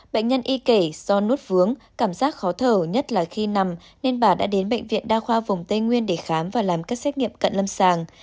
bệnh nhân y kể do nuốt vướng cảm giác khó thở nhất là khi nằm nên bà đã đến bệnh viện đa khoa vùng tây nguyên để khám và làm các xét nghiệm cận lâm sàng